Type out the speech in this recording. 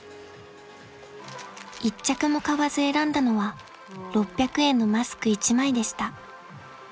［１着も買わず選んだのは６００円のマスク１枚でした］